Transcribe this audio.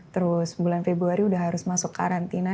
terus bulan februari udah harus masuk karantina